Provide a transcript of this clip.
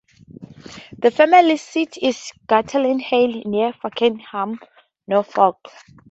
The family seat is Gateley Hall, near Fakenham, Norfolk.